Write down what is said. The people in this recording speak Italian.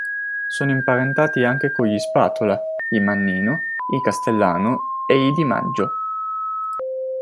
Sono imparentati anche con gli Spatola, i Mannino, i Castellano e i Di Maggio.